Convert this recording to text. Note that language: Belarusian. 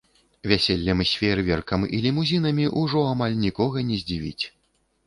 Вяселлем з феерверкам і лімузінамі ўжо амаль нікога не здзівіць.